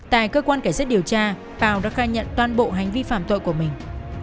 tại cơ quan kẻ giết điều tra pau đã khai nhận toàn bộ hành vi phạm tội của mình